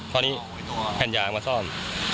ตอนนี้แผ่นยางมาซ่อม